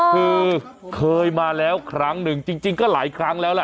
คือเคยมาแล้วครั้งหนึ่งจริงก็หลายครั้งแล้วล่ะ